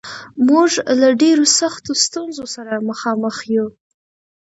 موږ له ډېرو سختو ستونزو سره مخامخ یو